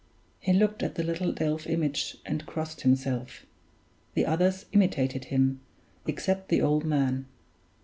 He looked at the little delf image, and crossed himself; the others imitated him, except the old man.